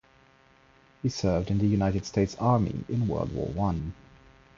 He served in the United States Army in World War One.